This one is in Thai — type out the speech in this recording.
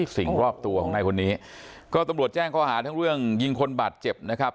สิ่งรอบตัวของนายคนนี้ก็ตำรวจแจ้งข้อหาทั้งเรื่องยิงคนบาดเจ็บนะครับ